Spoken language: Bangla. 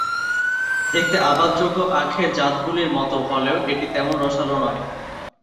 দেখতে আবাদযোগ্য আখের জাতগুলির মতো হলেও এটি তেমন রসালো নয়।